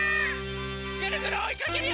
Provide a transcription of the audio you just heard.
ぐるぐるおいかけるよ！